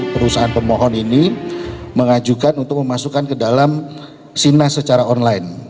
perusahaan pemohon ini mengajukan untuk memasukkan ke dalam sinas secara online